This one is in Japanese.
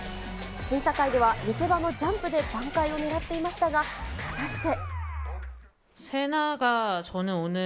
審査会では見せ場のジャンプで挽回を狙っていましたが、果たして。